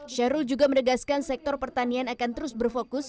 syahrul juga menegaskan sektor pertanian akan terus berfokus